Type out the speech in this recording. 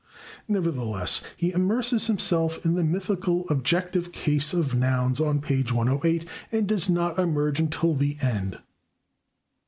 Nevertheless, he immerses himself in the mythical objective case of nouns on page 108, and does not emerge until the end.